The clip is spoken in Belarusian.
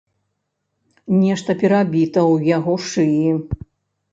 Нешта перабіта ў яго шыі.